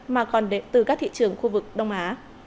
mà còn đến từ các thị trường khu vực đông á